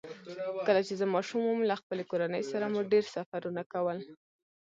کله چې زه ماشوم وم، له خپلې کورنۍ سره مو ډېر سفرونه کول.